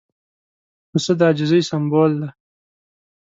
پسه د عاجزۍ سمبول دی.